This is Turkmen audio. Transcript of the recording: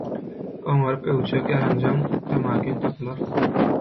oňaryp öwjek ýaranjaň, tamakin tapylar.